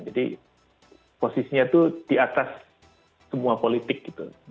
jadi posisinya itu di atas semua politik gitu